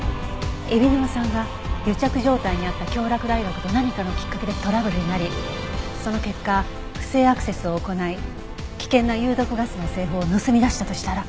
海老沼さんが癒着状態にあった京洛大学と何かのきっかけでトラブルになりその結果不正アクセスを行い危険な有毒ガスの製法を盗み出したとしたら。